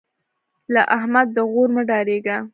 له احمد د غور مه ډارېږه.